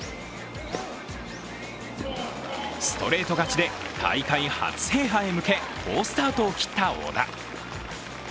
ストレート勝ちで、大会初制覇へ向け好スタートを切った小田。